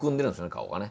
顔がね。